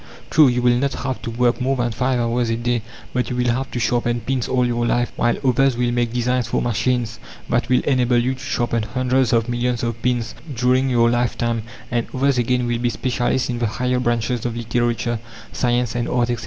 True, you will not have to work more than five hours a day, but you will have to sharpen pins all your life, while others will make designs for machines that will enable you to sharpen hundreds of millions of pins during your life time; and others again will be specialists in the higher branches of literature, science, and art, etc.